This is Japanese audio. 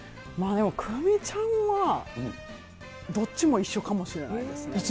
でも、來未ちゃんはどっちも一緒かもしれないですね。